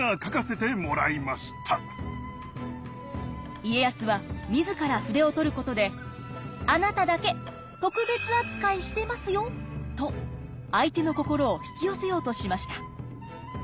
家康は自ら筆を執ることであなただけ特別扱いしてますよと相手の心を引き寄せようとしました。